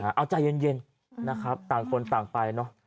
นะฮะเอาใจเย็นเย็นนะครับต่างคนต่างไปเนอะ